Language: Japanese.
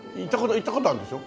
行った事あるでしょ？